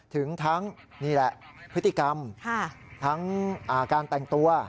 ถึงทั้งพฤติกรรมทั้งอาการแต่งตัว